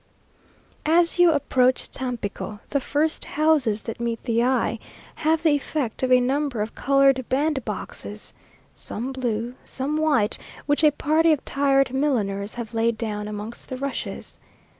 As you approach Tampico, the first houses that meet the eye, have the effect of a number of coloured band boxes; some blue, some white, which a party of tired milliners have laid down amongst the rushes.